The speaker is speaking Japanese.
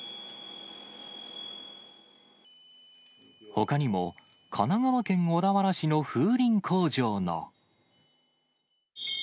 ほかにも、神奈川県小田原市の風鈴工場の。